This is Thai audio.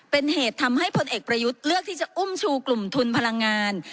เป็นเหตุทำให้พลเอกประยุทธ์เลือกที่จะอุ้มชูกลุ่มทุนพลังงาน